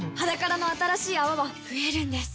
「ｈａｄａｋａｒａ」の新しい泡は増えるんです